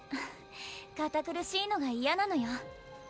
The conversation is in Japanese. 堅苦しいのが嫌なのよ